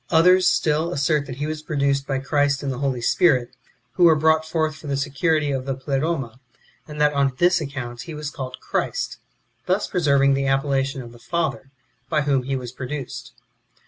Others still, assert that he was pro duced by Christ and the Holy Spirit, who were brought forth for the security of the Pleroma ; and that on this account he was called Christ, thus preserving the appellation of the Father, by wdiom he was produced.